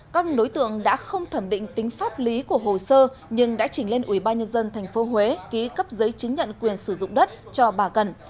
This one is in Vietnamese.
các đối tượng đã không thẩm định tính pháp lý của hồ sơ nhưng đã chỉnh lên ubnd tp huế ký cấp giấy chứng nhận quyền sử dụng đất cho bà cần